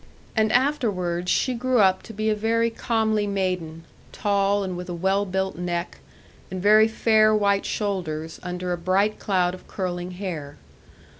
And afterwards she grew up to be a very comely maiden, tall, and with a well built neck, and very fair white shoulders, under a bright cloud of curling hair.